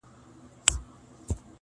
پردېسي خواره خواري ده وچوي د زړګي وینه٫